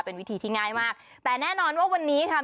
เป็นวิธีที่ง่ายมากแต่แน่นอนว่าวันนี้ค่ะ